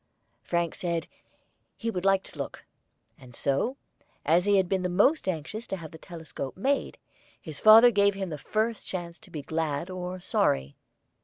Frank said he "would like to look," and so, as he had been the most anxious to have the telescope made, his father gave him the first chance to be glad or sorry.